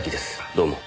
どうも。